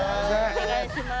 お願いします。